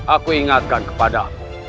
aku ingatkan kepadamu